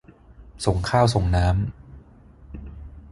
ส่งข้าวส่งน้ำ